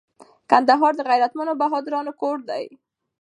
کندهار د غیرتمنو بهادرانو کور دي